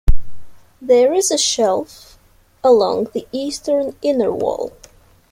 There is a shelf along the eastern inner wall.